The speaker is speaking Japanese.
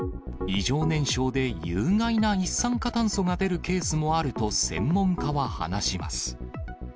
異常燃焼で有害な一酸化炭素が出るケースもあると、専門家は話します。